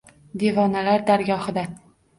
Devonalar dargohiga